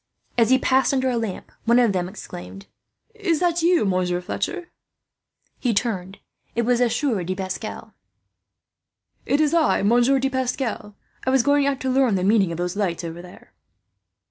As he passed under a lamp, one of them exclaimed: "Is that you, Monsieur Fletcher?" He turned. It was the Sieur de Pascal. "It is I, Monsieur de Pascal. I was going out to learn the meaning of those lights over there."